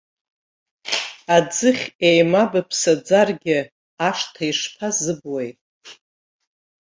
Аӡыхь еимабыԥсаӡаргьы, ашҭа ишԥазыбуеи?